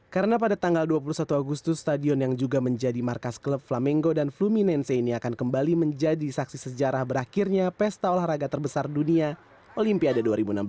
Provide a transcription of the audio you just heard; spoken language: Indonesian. karena pada tanggal dua puluh satu agustus stadion yang juga menjadi markas klub flamengo dan fluminense ini akan kembali menjadi saksi sejarah berakhirnya pesta olahraga terbesar dunia olimpiade dua ribu enam belas